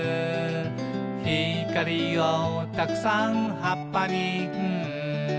「光をたくさん葉っぱにん」